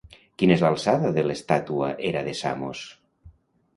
Quina és l'alçada de l'estàtua Hera de Samos?